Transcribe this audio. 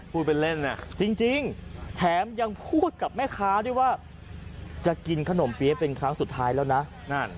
พูดเป็นเล่นนะจริงแถมยังพูดกับแม่ค้าด้วยว่าจะกินขนมเปี๊ยะเป็นครั้งสุดท้ายแล้วนะนั่น